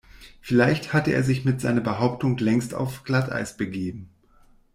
Vielleicht hatte er sich mit seiner Behauptung längst auf Glatteis begeben.